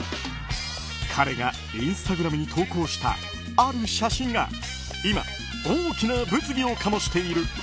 彼がインスタグラムに投稿したある写真が今大きな物議を醸している。